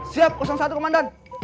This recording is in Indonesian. siap satu komandan